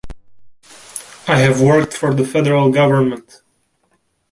I have worked for the federal government.